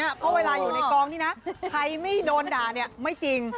เพราะเวลาอยู่ในกองนี่นะใครไม่โดนด่าเนี่ยไม่จริง